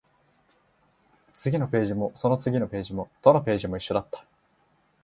次のページも、その次のページも、どのページも一緒だった